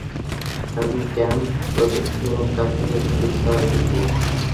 আমি ক্যাম্প প্রশিক্ষকের কাছে বিচার দিবো!